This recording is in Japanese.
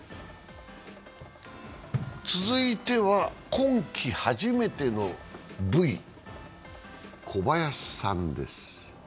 続いては、今季初めてのＶ、小林さんです。